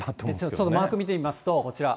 ちょっとマーク見てみますと、こちら。